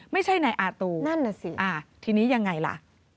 ไม่ใช่นายอาร์ตูทีนี้ยังไงล่ะ